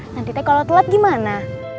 nanti teh kalau telat gimana